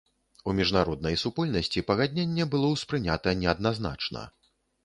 У міжнароднай супольнасці пагадненне было ўспрынята неадназначна.